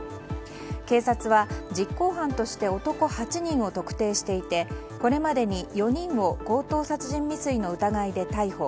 警察は、実行犯として男８人を特定していてこれまでに４人を強盗殺人未遂の疑いで逮捕。